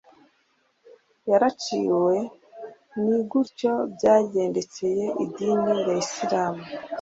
yaraciwe ni gutyo byagendekeye idini ya Isiramu